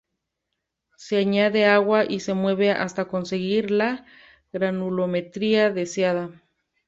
Se añade agua y se mueve hasta conseguir la granulometría deseada.